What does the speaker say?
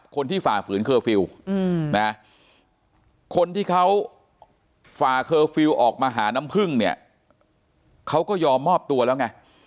คนที่เขาฝ่าเคอร์ฟิลล์ออกมาหาน้ำพึ่งเนี่ยเขาก็ยอมมอบตัวแล้วไง